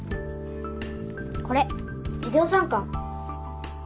これ授業参観。